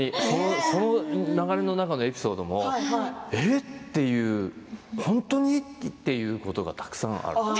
流れの中のエピソードもええっ！というような本当に？というようなことがたくさんある。